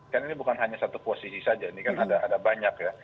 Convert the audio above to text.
kan ini bukan hanya satu posisi saja ini kan ada banyak ya